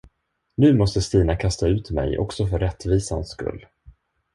Nu måste Stina kasta ut mig också för rättvisans skull.